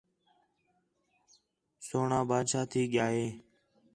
سوہݨاں بادشاہ تھی ڳِیا ہِے